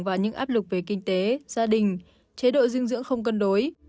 và những áp lực về kinh tế gia đình chế độ dinh dưỡng không cân đối